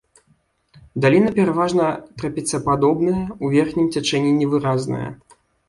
Даліна пераважна трапецападобная, у верхнім цячэнні невыразная.